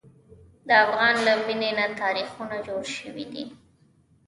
د افغان له مینې نه تاریخونه جوړ شوي دي.